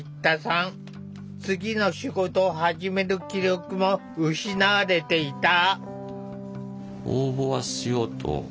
次の仕事を始める気力も失われていた。